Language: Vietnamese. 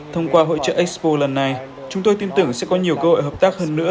thông qua hội trợ expo lần này chúng tôi tin tưởng sẽ có nhiều cơ hội hợp tác hơn nữa